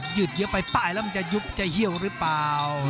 ืดเยอะไปป้ายแล้วมันจะยุบจะเหี่ยวหรือเปล่า